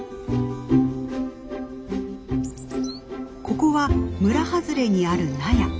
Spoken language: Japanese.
ここは村外れにある納屋。